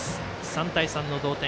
３対３の同点。